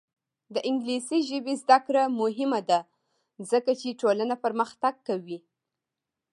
د انګلیسي ژبې زده کړه مهمه ده ځکه چې ټولنه پرمختګ کوي.